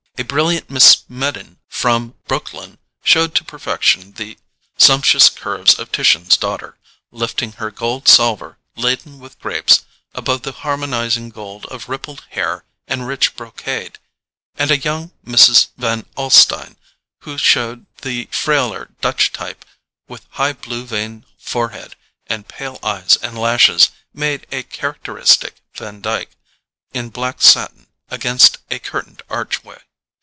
A brilliant Miss Smedden from Brooklyn showed to perfection the sumptuous curves of Titian's Daughter, lifting her gold salver laden with grapes above the harmonizing gold of rippled hair and rich brocade, and a young Mrs. Van Alstyne, who showed the frailer Dutch type, with high blue veined forehead and pale eyes and lashes, made a characteristic Vandyck, in black satin, against a curtained archway.